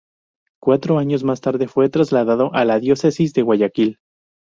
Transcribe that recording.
Cuatro años más tarde fue trasladado a la diócesis de Guayaquil.